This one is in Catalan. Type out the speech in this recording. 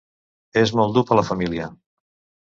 És molt dur per la família.